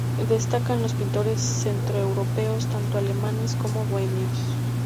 Destacan los pintores centroeuropeos, tanto alemanes como bohemios.